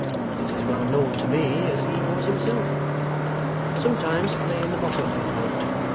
It's as well known to me as he was himself. Sometimes it lay in the bottom of his boat.